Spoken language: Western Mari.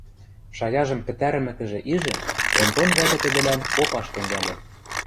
Шаяжым пӹтӓрӹмӹкӹжӹ ижӹ, Онтон вӓтӹ тӹдӹлӓн попаш тӹнгальы: